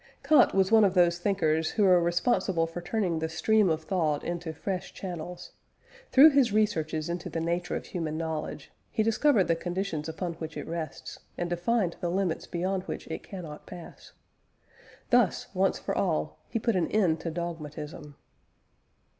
Kant was one of those thinkers who are responsible for turning the stream of thought into fresh channels. Through his researches into the nature of human knowledge, he discovered the conditions upon which it rests, and defined the limits beyond which it cannot pass. Thus, once for all, he put an end to dogmatism.